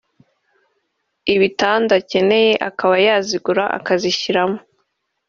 ibitanda…) akeneye akaba yazigura akazishiramo